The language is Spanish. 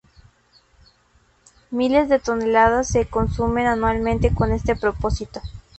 Miles de toneladas se consumen anualmente con este propósito.